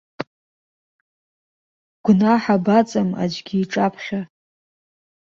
Гәнаҳа баҵам аӡәгьы иҿаԥхьа.